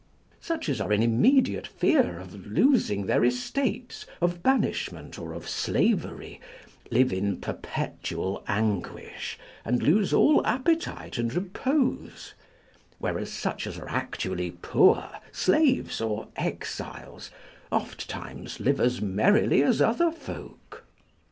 Such as are in immediate fear of a losing their estates, of banishment, or of slavery, live in perpetual anguish, and lose all appetite and repose; whereas such as are actually poor, slaves, or exiles, ofttimes live as merrily as other folk.